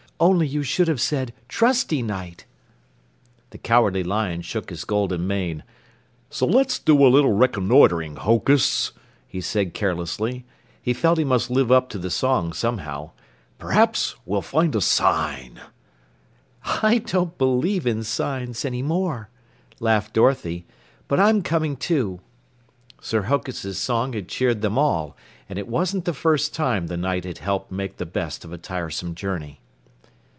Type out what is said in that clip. "Only you should have said trusty Knight." The Cowardly Lion shook his golden mane. "Let's do a little reconnoitering, Hokus," he said carelessly. He felt he must live up to the song somehow. "Perhaps we'll find a sign." "I don't believe in signs anymore," laughed Dorothy, "but I'm coming too." Sir Hokus' song had cheered them all, and it wasn't the first time the Knight had helped make the best of a tiresome journey.